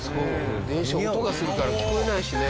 電車音がするから聞こえないしね。